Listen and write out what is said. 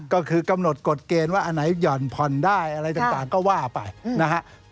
ก็คือกำหนดกฎเกณฑ์ว่าอันไหนห่อนผ่อนได้อะไรต่างก็ว่าไปนะฮะ